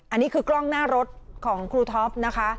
อันนี้คือกล้องหน้ารถของครูท็อปนะคะ